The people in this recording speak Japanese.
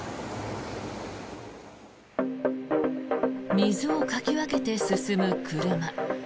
水をかき分けて進む車。